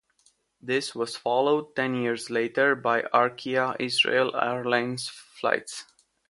This was followed ten years later by Arkia Israel Airlines flights.